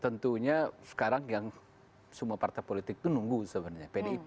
tentunya sekarang yang semua partai politik itu nunggu sebenarnya pdip